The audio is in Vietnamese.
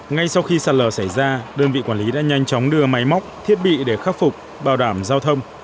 ngay sau khi sạt lở xảy ra đơn vị quản lý đã nhanh chóng đưa máy móc thiết bị để khắc phục bảo đảm giao thông